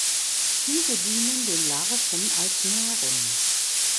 Diese dienen den Larven als Nahrung.